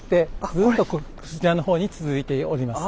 ずっとこちらの方に続いております。